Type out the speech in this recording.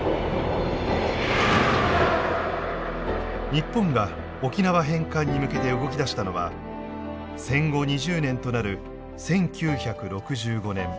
日本が沖縄返還に向けて動き出したのは戦後２０年となる１９６５年。